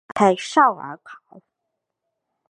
马泰绍尔考。